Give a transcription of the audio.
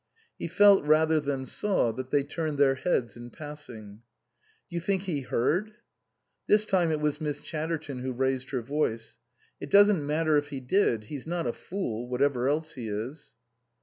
He felt rather than saw that they turned their heads in passing. " Do you think he heard ?" This time it was Miss Chatterton who raised her voice. " It doesn't matter if he did. He's not a fool, whatever else he is."